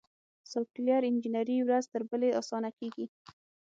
سافټویر انجینري ورځ تر بلې اسانه کیږي.